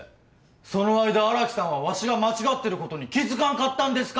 その間荒木さんはわしの間違いに気づかんかったんですか？